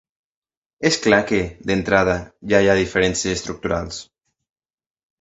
És clar que, d’entrada, ja hi ha diferències estructurals.